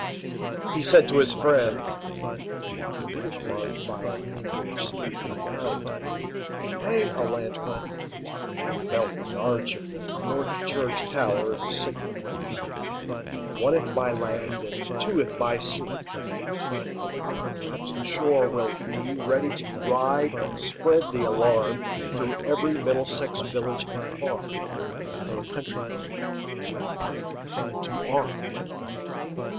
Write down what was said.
He said to his friend, "If the British march By land or sea from the town to night, Hang a lantern aloft in the belfry arch Of the North Church tower as a signal light, One, if by land, and two, if by sea; And I on the opposite shore will be, Ready to ride and spread the alarm Through every Middlesex village and farm, For the country folk to be up and to arm."